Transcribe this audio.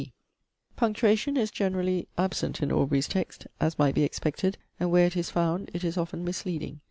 (d) Punctuation is generally absent in Aubrey's text, as might be expected, and where it is found, it is often misleading.